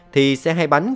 thì xe hai bánh